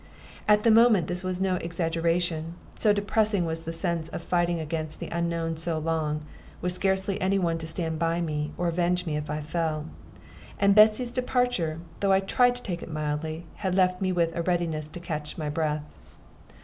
At the moment this was no exaggeration, so depressing was the sense of fighting against the unknown so long, with scarcely any one to stand by me, or avenge me if I fell. And Betsy's departure, though I tried to take it mildly, had left me with a readiness to catch my breath.